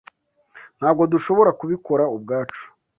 Ntabwo dushobora kubikora ubwacu.